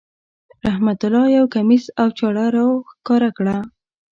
رحمت الله یو کمیس او چاړه را وښکاره کړه.